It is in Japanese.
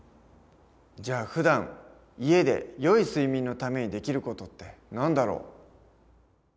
じゃあふだん家でよい睡眠のためにできる事って何だろう？